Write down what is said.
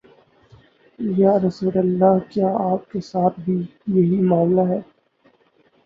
یا رسول اللہ، کیا آپ کے ساتھ بھی یہی معا ملہ ہے؟